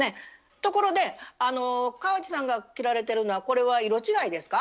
ところで川路さんが着られてるのはこれは色違いですか？